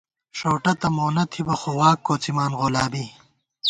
ݭؤٹہ تہ مونہ تھِبہ ، خو واک کوڅِمان غولابی